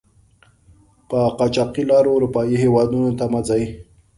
په قاچاقي لارو آروپایي هېودونو ته مه ځئ!